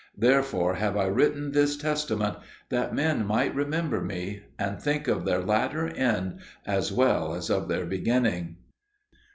Therefore have I written this testament, that men might remember me, and think of their latter end as well as of their beginning.